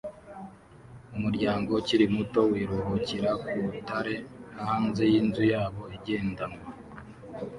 Umuryango ukiri muto wiruhukira ku rutare hanze yinzu yabo igendanwa